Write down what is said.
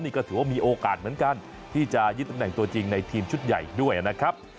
นี่ก็ถือว่ามีโอกาสเหมือนกันที่จะยึดตำแหน่งตัวจริงในทีมชุดใหญ่ด้วยนะครับ